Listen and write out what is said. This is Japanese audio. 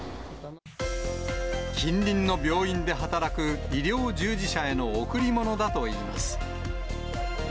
近隣の病院で働く医療従事者への贈り物だといいます。